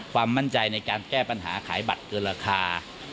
ความมั่นใจในการแก้ปัญหาขายบัตรเกินราคา